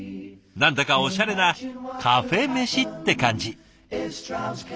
何だかおしゃれなカフェメシって感じ。